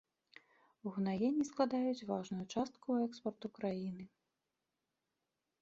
Угнаенні складаюць важную частку экспарту краіны.